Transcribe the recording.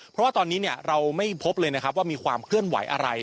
เพราะว่าตอนนี้เราไม่พบเลยนะครับว่ามีความเคลื่อนไหวอะไร